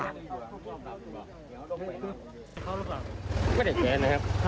ไม่ได้แก้นะครับ